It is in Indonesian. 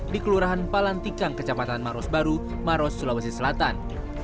di kelurahan palantikang kecamatan maros baru maros sulawesi selatan